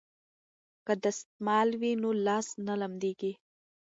که دستمال وي نو لاس نه لمدیږي.